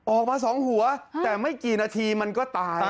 ออกมา๒หัวแต่ไม่กี่นาทีมันก็ตาย